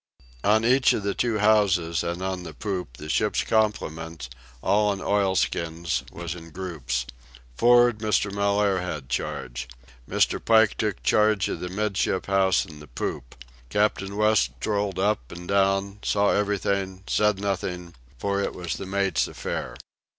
On each of the two houses and on the poop the ship's complement, all in oilskins, was in groups. For'ard, Mr. Mellaire had charge. Mr. Pike took charge of the 'midship house and the poop. Captain West strolled up and down, saw everything, said nothing; for it was the mate's affair.